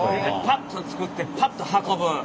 パッと作ってパッと運ぶ。